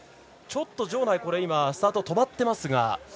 ちょっと、場内スタートが止まっていますが。